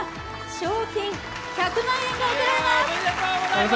賞金１００万円が贈られます。